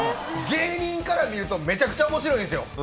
芸人から見るとめちゃくちゃおもろいんですよ。